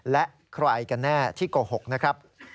และใครกันแน่ที่โกหกนะครับ